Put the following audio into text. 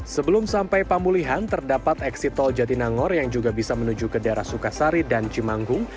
sebelum sampai pemulihan terdapat eksitol jatinangor yang juga bisa menuju ke daerah sukasari dan cimanggung